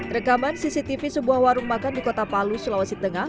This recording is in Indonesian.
rekaman cctv sebuah warung makan di kota palu sulawesi tengah